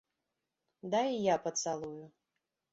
Дай і я пацалую.